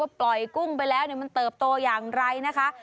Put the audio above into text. ปล่อยกุ้งไปแล้วมันเติบโตอย่างไรนะคะ